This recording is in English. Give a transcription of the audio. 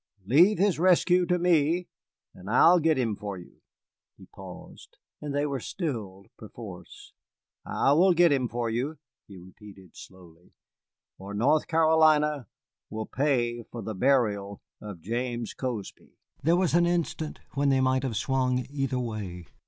Leave his rescue to me, and I will get him for you." He paused, and they were stilled perforce. "I will get him for you," he repeated slowly, "or North Carolina will pay for the burial of James Cozby." There was an instant when they might have swung either way.